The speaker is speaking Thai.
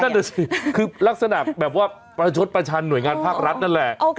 นั่นน่ะสิคือลักษณะแบบว่าประชดประชันหน่วยงานภาครัฐนั่นแหละ